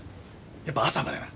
やっぱ朝までな。